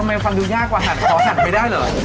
ทำไมฟังดูยากว่าหั่นขอหั่นไม่ได้เหรอ